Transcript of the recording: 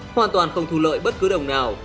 hoàn toàn không thu lợi bất cứ đồng nào